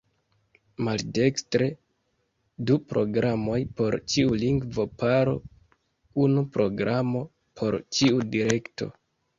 Maldekstre: Du programoj por ĉiu lingvo-paro, unu programo por ĉiu direkto.